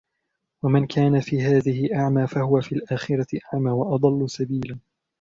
وَمَنْ كَانَ فِي هَذِهِ أَعْمَى فَهُوَ فِي الْآخِرَةِ أَعْمَى وَأَضَلُّ سَبِيلًا